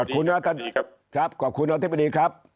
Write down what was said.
ขอบคุณนะครับขอบคุณอธิบดีครับ